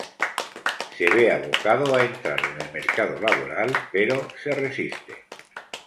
Se ve abocado a entrar en el mercado laboral, pero se resiste.